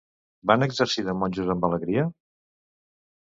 Van exercir de monjos amb alegria?